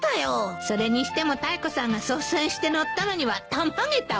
それにしてもタイコさんが率先して乗ったのにはたまげたわ。